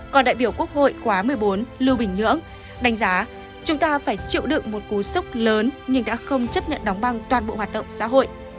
còn đại biểu quốc hội khóa một mươi bốn lưu bình nhưỡng đánh giá chúng ta phải chịu đựng một cú sốc lớn nhưng đã không chấp nhận đóng băng toàn bộ hoạt động xã hội